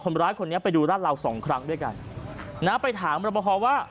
คนร้ายคนนี้ไปดูร้านเราสองครั้งด้วยกันนะไปถามรับประพอว่า